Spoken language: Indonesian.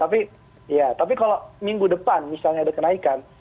tapi ya tapi kalau minggu depan misalnya ada kenaikan